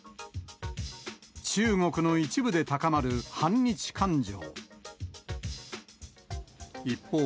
中国の一部で高まる反日感情。